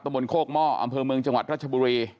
บนโคกหม้ออำเภอเมืองจังหวัดรัชบุรี